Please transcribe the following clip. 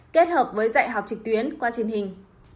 kết hợp với dạy học trực tuyến qua truyền hình